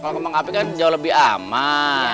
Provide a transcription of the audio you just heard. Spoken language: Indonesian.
kalau kembang api kan jauh lebih aman